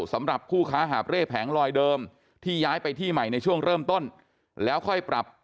สำหรับคู่ค้าหาบเร่แผงลอยเดิมที่ย้ายไปที่ใหม่ในช่วงเริ่มต้นแล้วค่อยปรับ